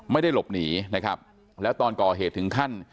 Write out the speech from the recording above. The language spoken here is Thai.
ไม่ได้หลบหนีนะครับแล้วตอนก่อเหตุถึงขั้น